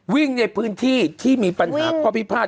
วิ่งในพื้นที่ที่มีปัญหาข้อพิพาท